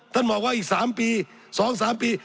ท่านบอกว่าอีก๓ปี๒๓ปี